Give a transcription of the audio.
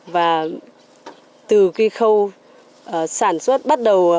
và từ khi khâu sản xuất bắt đầu